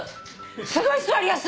すごい座りやすい！